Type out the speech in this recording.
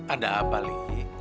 ada apa li